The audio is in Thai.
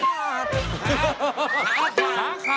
กับพอรู้ดวงชะตาของเขาแล้วนะครับ